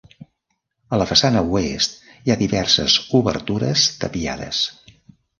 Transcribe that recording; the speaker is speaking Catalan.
A la façana oest hi ha diverses obertures tapiades.